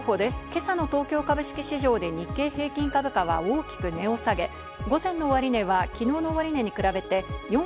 今朝の東京株式市場で日経平均株価は大きく値を下げました。